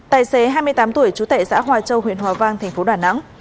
tài xế hai mươi tám tuổi chú tệ xã hòa châu huyện hòa vang tp đà nẵng